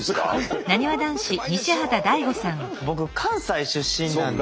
僕関西出身なので。